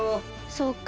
そっか。